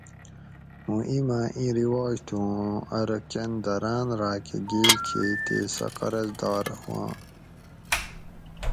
موں اِیماۤ ایں رواج تُھو اوں ارو کۤن دراۤن راۤکہ گیل کھیئے تے سہ قرضدار ہوآں